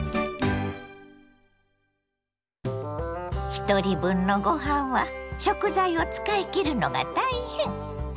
ひとり分のごはんは食材を使い切るのが大変。